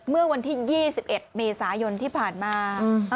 เมื่อวันที่๒๑เมษายนที่ผ่านมา